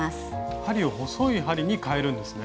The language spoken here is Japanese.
針を細い針にかえるんですね。